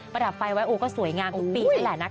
ดับไฟไว้โอ้ก็สวยงามทุกปีนั่นแหละนะคะ